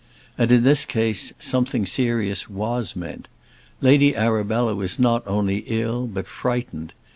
And, in this case, something serious was meant. Lady Arabella was not only ill, but frightened.